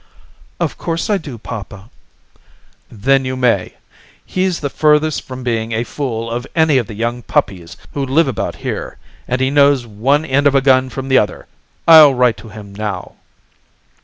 "Of course I do, papa." "Then you may. He's the furthest from being a fool of any of the young puppies who live about here, and he knows one end of a gun from the other. I'll write to him now."